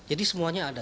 jadi semuanya ada